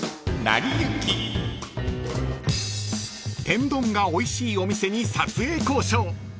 ［天丼がおいしいお店に撮影交渉］